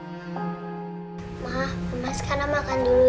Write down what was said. mama mama sekarang makan dulu ya